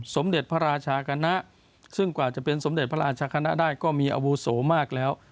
สมเด็จพระราชาคณะซึ่งกว่าจะเป็นสมเด็จพระราชคณะได้ก็มีอาวุโสมากแล้ว